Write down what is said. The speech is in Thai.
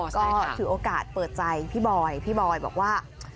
ก็ถือโอกาสเปิดใจพี่บอยพี่บอยบอกว่า